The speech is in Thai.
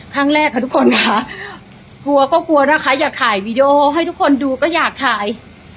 ครั้งแรกค่ะทุกคนค่ะกลัวก็กลัวนะคะอยากถ่ายวีดีโอให้ทุกคนดูก็อยากถ่าย